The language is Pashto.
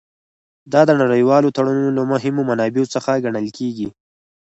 دا د نړیوالو تړونونو له مهمو منابعو څخه ګڼل کیږي